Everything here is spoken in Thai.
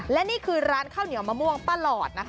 และนี่คือร้านข้าวเหนียวมะม่วงป้าหลอดนะคะ